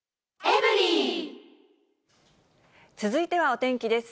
続いてはお天気です。